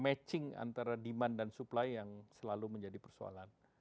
matching antara demand dan supply yang selalu menjadi persoalan